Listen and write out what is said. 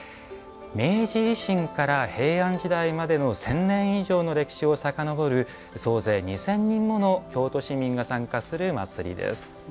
明治維新から平安時代までの千年以上の歴史をさかのぼる総勢２０００人もの京都市民が参加する祭りです。